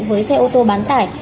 với xe ô tô bán tải